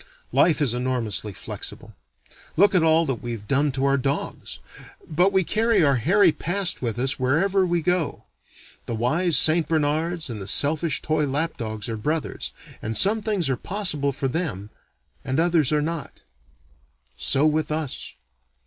Life is enormously flexible look at all that we've done to our dogs, but we carry our hairy past with us wherever we go. The wise St. Bernards and the selfish toy lap dogs are brothers, and some things are possible for them and others are not. So with us.